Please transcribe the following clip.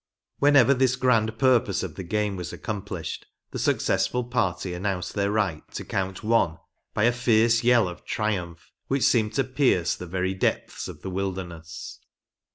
Whenever this grand purpose of the game was accomplished, the successful party announced their right to count one by a fierce yell of triumph, which seemed to pierce the very depths of the wilderness.